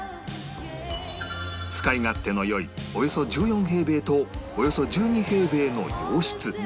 使い勝手の良いおよそ１４平米とおよそ１２平米の洋室